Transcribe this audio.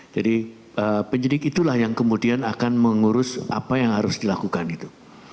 jadi penyidik itulah yang kemudian akan mengurus apa yang harus dilakukan itu